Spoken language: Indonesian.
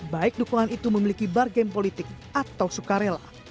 baik dukungan itu memiliki bargain politik atau sukarela